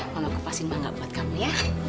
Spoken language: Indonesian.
mama kupasin manga buat kamu ya